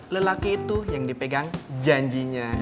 lelaki itu yang dipegang janjinya